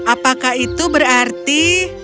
apakah itu berarti